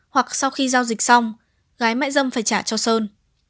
hoặc sau khi giao dịch xong gái mãi dâm phải trả cho sơn